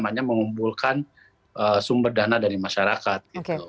jadi kita harus mengumpulkan sumber dana dari masyarakat